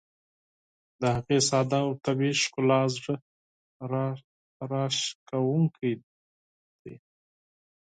د هغې ساده او طبیعي ښکلا زړه راښکونکې ده.